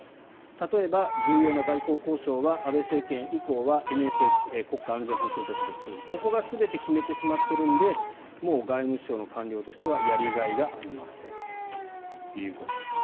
例えば重要な外交交渉は安倍政権以降はＮＳＳ・国家安全保障局ですがここが全て決めてしまっているのでもう外務省の官僚としてはやりがいがありませんということです。